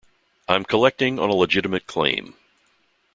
I'm collecting on a legitimate claim.